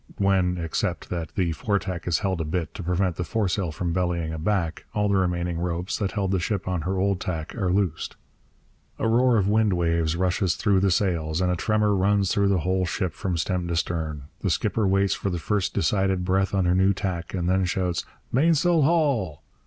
when, except that the foretack is held a bit to prevent the foresail from bellying aback, all the remaining ropes that held the ship on her old tack are loosed. A roar of wind waves rushes through the sails, and a tremor runs through the whole ship from stem to stern. The skipper waits for the first decided breath on her new tack and then shouts, 'Mainsail haul!'